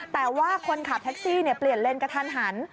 แต่ว่าคนขับแท็กซี่เปลี่ยนเลนกระทันหัน